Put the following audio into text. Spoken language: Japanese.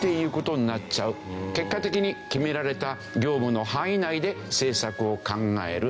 結果的に決められた業務の範囲内で政策を考える。